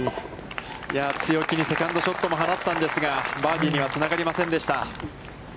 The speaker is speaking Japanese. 強気にセカンドショットも放ったんですが、バーディーにはつながりませんでした。